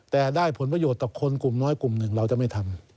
แต่ได้ผลประโยชน์ต่อคนกลุ่มน้อยกลุ่มหนึ่งเราจะไม่ทำ